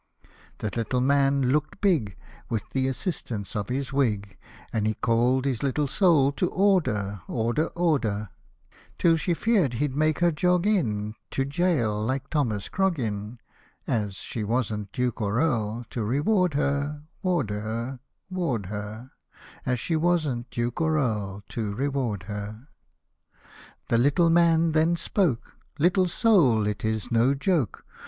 " The little Man looked big With th' assistance of his wig. And he called his little Soul to order, order, order, Hosted by Google LITTLE MAN AND LITTLE SOUL 175 Till she feared he'd make her jog in To gaol, like Thomas Croggan, (As she wasn't Duke or Earl) to reward her, ward her, ward her, As she wasn't Duke or Earl, to reward her. The little Man then spoke, " Little Soul, it is no joke.